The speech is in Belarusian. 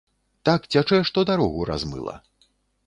Так цячэ, што дарогу размыла.